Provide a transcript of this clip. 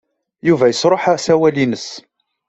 Yuba yesṛuḥ asawal-nnes.